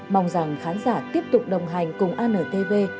mong rằng khán giả tiếp tục đồng hành cùng antv